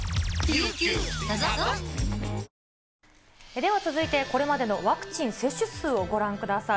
では続いて、これまでのワクチン接種数をご覧ください。